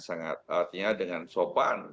sangat artinya dengan sopan